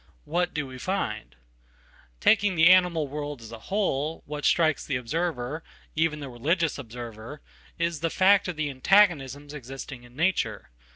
What do we find? Taking the animal world as a whole, what strikes the observer, even the religious observer, is the fact of the antagonismsexisting in nature.